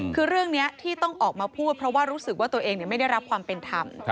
คือเรื่องนี้ที่ต้องออกมาพูดเพราะว่ารู้สึกว่าตัวเองไม่ได้รับความเป็นธรรม